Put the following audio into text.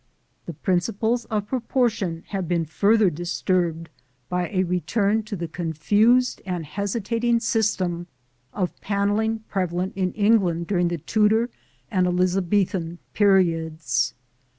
The principles of proportion have been further disturbed by a return to the confused and hesitating system of panelling prevalent in England during the Tudor and Elizabethan periods.